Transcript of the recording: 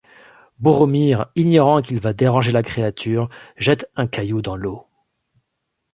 Boromir, ignorant qu'il va déranger la créature, jette un caillou dans l'eau.